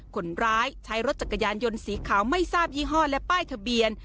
คนร้ายใช้รถจักรยานยนต์สีขาวไม่ทราบยี่ห้อและป้ายทะเบียน